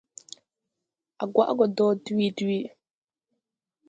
A gwaʼ go dɔɔ dwee dwee.